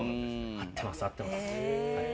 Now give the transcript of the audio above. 合ってます合ってます。